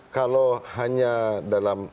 kalau hanya dalam